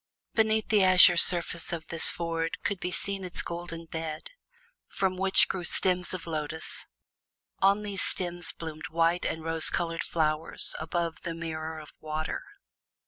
Beneath the azure surface of this ford could be seen its golden bed, from which grew stems of lotus; on those stems bloomed white and rose colored flowers above the mirror of water.